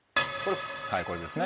はいこれですね。